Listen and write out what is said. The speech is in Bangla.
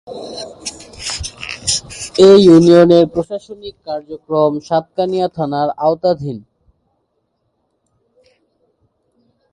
এ ইউনিয়নের প্রশাসনিক কার্যক্রম সাতকানিয়া থানার আওতাধীন।